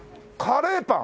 カレーパン！？